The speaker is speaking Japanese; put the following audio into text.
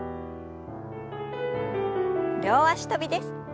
両脚跳びです。